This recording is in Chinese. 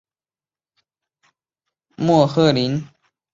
莫赫林与苏格兰民族诗人彭斯有密切关系。